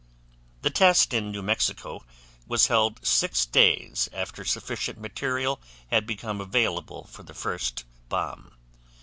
The test in New Mexico was held 6 days after sufficient material had become available for the first bomb.